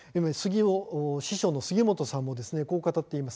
師匠の杉本さんもこう語っています。